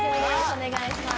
お願いします